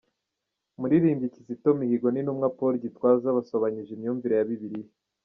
Umuririmbyi Kizito Mihigo n’Intumwa Paul Gitwaza basobanyije imyumvire ya Bibiliya